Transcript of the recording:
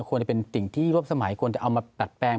ควรจะเป็นสิ่งที่รวบสมัยควรจะเอามาดัดแปลง